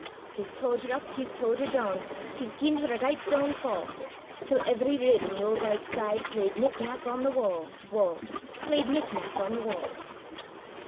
He's towed her up, he's towed her down, He's gien her a richt down fa', Till every rib i' the auld wife's side, Played nick nack on the wa', wa'; Played nick nack on the wa'. O!